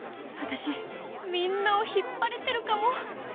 私みんなを引っ張れてるかも